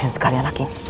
aku akan mencari kebaikanmu